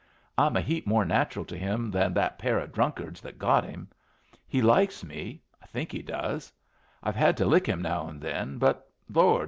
I'm a heap more natural to him than that pair of drunkards that got him. He likes me: I think he does. I've had to lick him now and then, but Lord!